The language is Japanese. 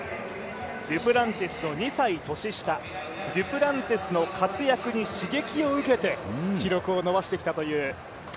デュプランティスの２歳年下、デュプランティスの活躍に刺激を受けて記録を伸ばしてきたという。